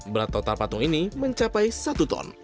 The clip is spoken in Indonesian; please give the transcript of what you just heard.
berat total patung ini mencapai satu ton